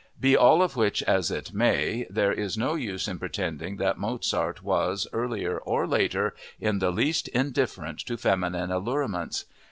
Be all of which as it may, there is no use pretending that Mozart was, earlier or later, in the least indifferent to feminine allurements.